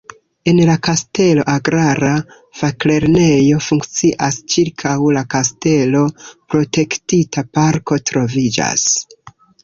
En la kastelo agrara faklernejo funkcias, ĉirkaŭ la kastelo protektita parko troviĝas.